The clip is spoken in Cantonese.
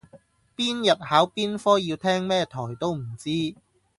邊日考邊科要聽咩台都唔知